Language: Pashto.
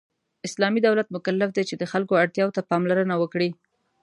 اسلامی دولت مکلف دی چې د خلکو اړتیاوو ته پاملرنه وکړي .